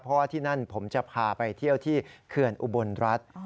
เพราะว่าที่นั่นผมจะพาไปเที่ยวที่เขื่อนอุบลรัฐ